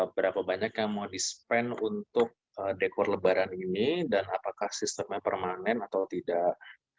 berapa banyak yang mau di spend untuk dekor lebaran ini dan apakah sistemnya permanen atau tidak